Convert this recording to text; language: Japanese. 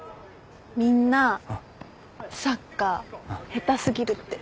みんなサッカー下手過ぎるって。